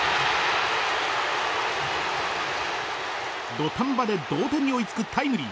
土壇場で同点に追いつくタイムリー。